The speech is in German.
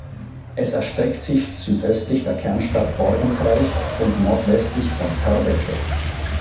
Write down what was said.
Es erstreckt sich südöstlich der Kernstadt Borgentreich und nordwestlich von Körbecke.